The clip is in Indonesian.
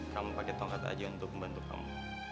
kamu pakai tongkat aja untuk membantu kamu